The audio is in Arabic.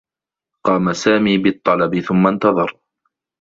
قام سامي بالطّلب ثم انتظر.